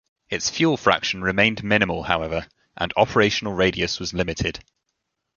Its fuel fraction remained minimal, however, and operational radius was limited.